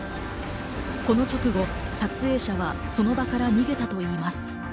この直後、撮影者はその場から逃げたといいます。